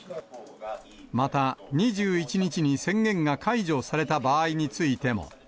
また２１日に宣言が解除された場合についても。